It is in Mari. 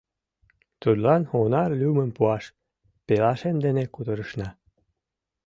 — Тудлан Онар лӱмым пуаш пелашем дене кутырышна.